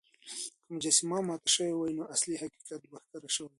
که مجسمه ماته شوې وای، نو اصلي حقيقت به ښکاره شوی وای.